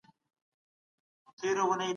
نه، نورمونه ژوند ته نظم ورکوي.